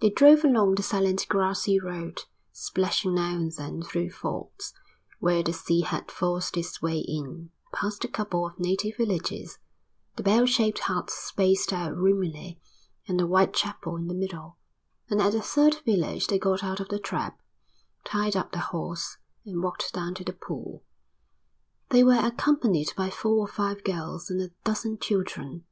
They drove along the silent grassy road, splashing now and then through fords, where the sea had forced its way in, past a couple of native villages, the bell shaped huts spaced out roomily and the white chapel in the middle, and at the third village they got out of the trap, tied up the horse, and walked down to the pool. They were accompanied by four or five girls and a dozen children.